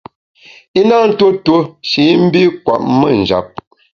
I na ntuo tuo shi i mbi kwet me njap.